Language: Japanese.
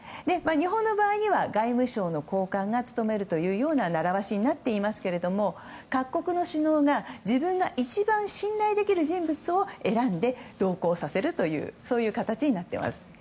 日本の場合は外務省の高官が務めるというような習わしになっていますが各国の首脳が自分が一番信頼できる人物を選んで同行させるという形になっています。